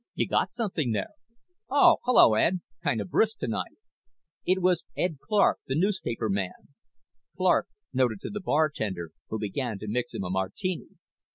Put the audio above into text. "You got something there. Oh, hello, Ed. Kinda brisk tonight." It was Ed Clark, the newspaperman. Clark nodded to the bartender, who began to mix him a martini.